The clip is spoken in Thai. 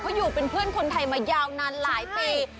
เขาอยู่เป็นเพื่อนคนไทยมายาวนานหลายปี